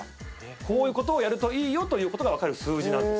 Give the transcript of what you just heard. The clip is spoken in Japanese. こういうことをやるといいよということが分かる数字なんです。